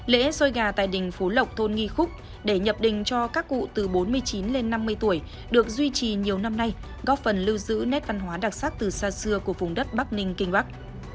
lễ xôi gà tại đình phú lộc thôn nghi khúc để nhập đình cho các cụ từ bốn mươi chín lên năm mươi tuổi được duy trì nhiều năm nay góp phần lưu giữ nét văn hóa đặc sắc từ xa xưa của vùng đất bắc ninh kinh bắc